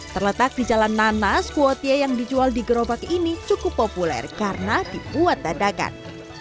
terletak di jalan nanas kuotie yang dijual di gerobak ini cukup populer karena dibuat dadakan